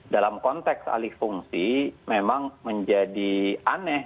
dalam konteks alih fungsi memang menjadi aneh